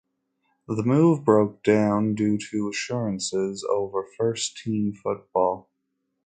The move broke down due to assurances over first team football.